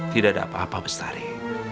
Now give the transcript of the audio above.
tidak ada apa apa bestari